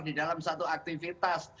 di dalam satu aktivitas